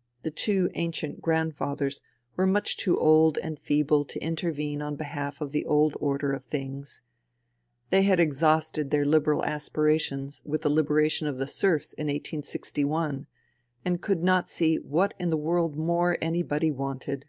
" The two ancient grandfathers were much too old and feeble to intervene on behalf of the old order of things ; they had exhausted their Liberal aspira tions with the liberation of the serfs in 1861 and could not see what in the world more anybody wanted.